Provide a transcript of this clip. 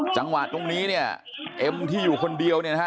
จังหวะตรงนี้เนี่ยเอ็มที่อยู่คนเดียวเนี่ยนะฮะ